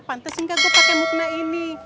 pantes enggak gua pakai mukena ini